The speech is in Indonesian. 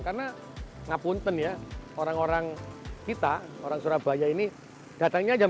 karena ngapunten ya orang orang kita orang surabaya ini datangnya jam dua belas